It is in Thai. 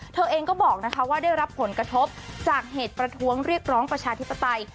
เธอเองก็บอกว่าได้รับผลกระทบจากเหตุประท้วงเรียกร้องประชาธิปไตย